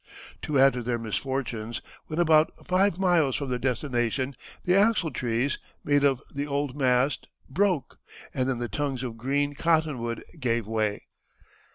To add to their misfortunes, when about five miles from their destination the axle trees, made of the old mast, broke, and then the tongues of green cottonwood gave way.